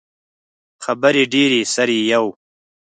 خبرې ډیرې، سر یی یو